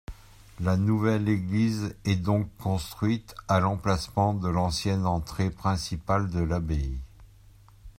La nouvelle église est donc construite à l'emplacement de l'ancienne entrée principale de l'abbaye.